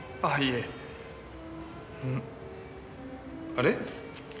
あれ？